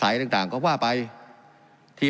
การปรับปรุงทางพื้นฐานสนามบิน